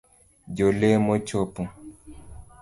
Jo lemo chopo